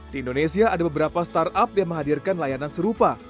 di indonesia ada beberapa startup yang menghadirkan layanan serupa